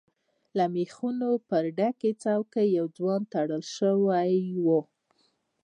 له ميخونو پر ډکې څوکی يو ځوان تړل شوی و.